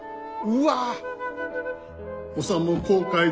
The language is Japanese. うわ。